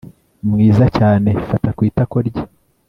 mwiza cyane fata ku itako rye